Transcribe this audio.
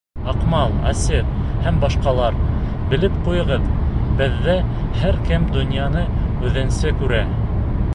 Аҡмал, Асет һәм башҡалар, белеп ҡуйығыҙ, беҙҙә һәр кем донъяны үҙенсә күрә.